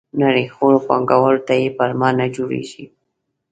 نړیخورو پانګوالو ته یې پلمه نه جوړېږي.